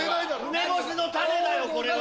梅干しの種だよこれは。